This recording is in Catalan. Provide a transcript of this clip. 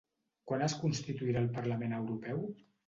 Quan es constituirà el Parlament Europeu?